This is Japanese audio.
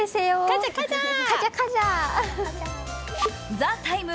「ＴＨＥＴＩＭＥ，」